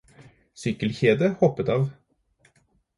Sykkelkjedet hoppet av